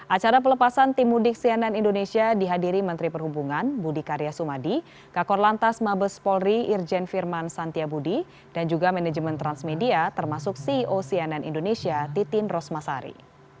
acara pelepasan tim mudik cnn indonesia dihadiri menteri perhubungan budi karya sumadi kakor lantas mabes polri irjen firman santiabudi dan juga manajemen transmedia termasuk ceo cnn indonesia titin rosmasari